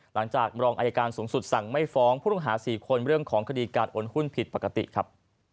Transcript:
หลังจากรองอายการสูงสุดสั่งไม่ฟ้องผู้ต้องหา๔คนเรื่องของคดีการโอนหุ้นผิดปกติครับ